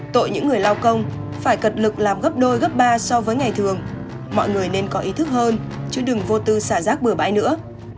tội những người lao công phải cật lực làm gấp đôi gấp ba so với ngày thường mọi người nên có ý thức hơn chứ đừng vô tư xả rác bừa bãi nữa